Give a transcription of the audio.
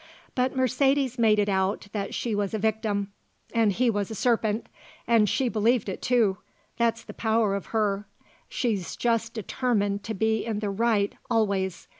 But Mercedes made it out that she was a victim and he was a serpent; and she believed it, too; that's the power of her; she's just determined to be in the right always.